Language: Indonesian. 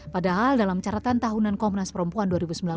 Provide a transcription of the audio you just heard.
padahal dalam catatan tahunan komnas perempuan dua ribu sembilan belas